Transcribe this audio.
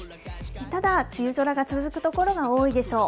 ただ梅雨空が続く所が多いでしょう。